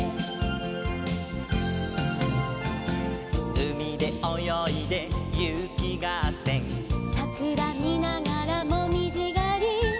「うみでおよいでゆきがっせん」「さくらみながらもみじがり」